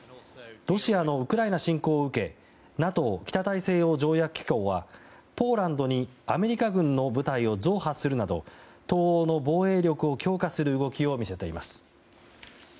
ロシアのウクライナ侵攻を受けＮＡＴＯ・北大西洋条約機構はポーランドにアメリカ軍の部隊を増派するなど東欧の防衛力を強化する動きを見せています。